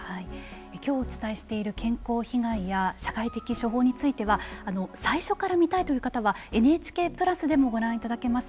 きょうお伝えしている健康被害や社会的処方については最初から見たいという方は「ＮＨＫプラス」でもご覧いただけます。